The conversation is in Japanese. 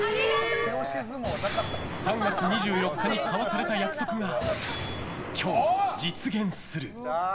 ３月２４日に交わされた約束が今日、実現する。